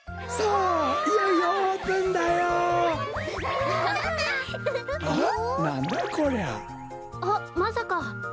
あっまさか！？